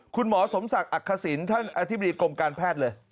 คุณหมอสมศักดิ์อักษิณท่านอธิบดีกรมการแพทย์เลย